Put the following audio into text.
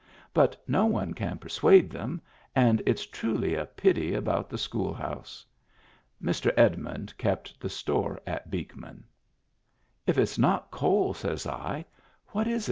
But no one can persuade them, and it's truly a pity about the school house." Mr. Edmund kept the store at Beekman. " If it's not coal," says I, " what is it